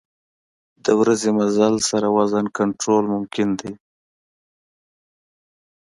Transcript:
د ورځني مزل سره وزن کنټرول ممکن دی.